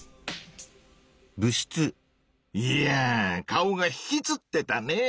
いやぁ顔がひきつってたねぇ！